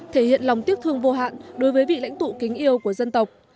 thể hiện lòng tiếc thương vô hạn đối với vị lãnh tụ kính yêu của dân tộc